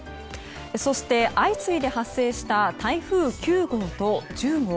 そして、相次いで発生した台風９号と１０号。